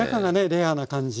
レアな感じ。